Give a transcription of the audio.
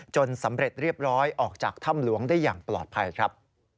สำเร็จเรียบร้อยออกจากถ้ำหลวงได้อย่างปลอดภัยครับ